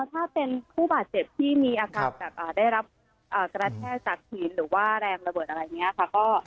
ถ้าเป็นผู้บาดเจ็บที่มีอาการเลยรับกระแชรักทีนหรือว่าระเบิดอะไรอย่างนี้ก็